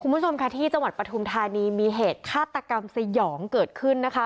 คุณผู้ชมค่ะที่จังหวัดปฐุมธานีมีเหตุฆาตกรรมสยองเกิดขึ้นนะคะ